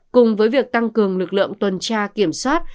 cùng với việc tăng cường lực lượng tuần tra kiểm soát